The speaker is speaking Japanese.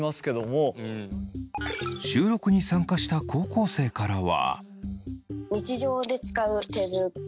収録に参加した高校生からは。